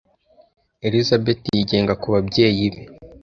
Elizabeth yigenga ku babyeyi be.